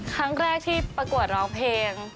ครั้งแรกที่ประกวดร้องเพลง